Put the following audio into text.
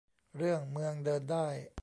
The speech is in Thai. เรื่อง เมืองเดินได้